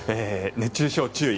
熱中症に注意。